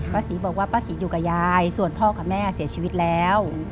ศรีบอกว่าป้าศรีอยู่กับยายส่วนพ่อกับแม่เสียชีวิตแล้ว